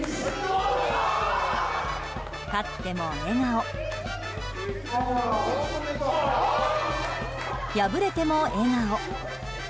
勝っても笑顔、敗れても笑顔。